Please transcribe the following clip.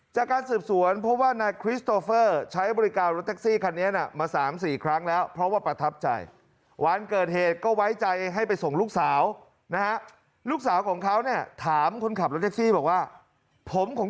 จากการสืบสวนเพราะว่านายคริสโตเฟอร์ใช้บริการรถแท็กซี่คันนี้นะ